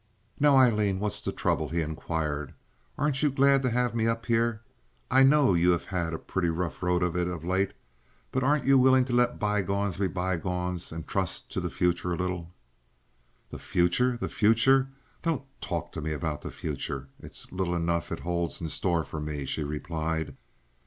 "Now, Aileen, what's the trouble?" he inquired. "Aren't you glad to have me up here? I know you have had a pretty rough road of it of late, but aren't you willing to let bygones be bygones and trust to the future a little?" "The future! The future! Don't talk to me about the future. It's little enough it holds in store for me," she replied.